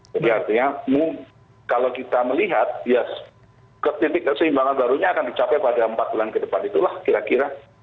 jadi artinya kalau kita melihat ya seimbangan barunya akan dicapai pada empat bulan ke depan itulah kira kira